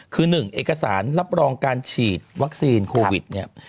คือ๑เอกสารรับรองการฉีดวัคซีนโควิดเนี่ย